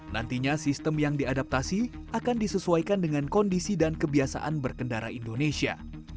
nantinya sistem yang diadaptasi akan disesuaikan dengan kondisi dan kebiasaan berkendara indonesia